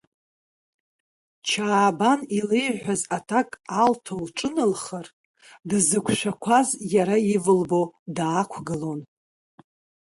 Чаабан илеиҳәаз аҭак алҭо лҿыналхар, дзықәшәақәаз иара ивылбо даақәгылон.